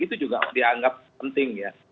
itu juga dianggap penting ya